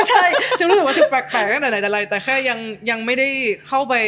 ใช่จะรู้สึกว่าแปลกตั้งแต่ไหนแต่ไรแต่แค่ยังไม่ได้เข้าไป